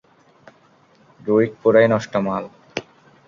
Druig পুরাই নষ্ট মাল।